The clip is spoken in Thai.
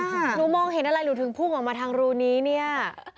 หนูมองเห็นอะไรหนูถึงพุ่งออกมาทางรูนี้เนี่ย